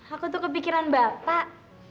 aku tuh kepikiran bapak